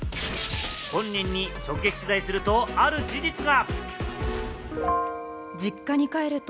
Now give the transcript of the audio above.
本人に直撃取材すると、ある事実が。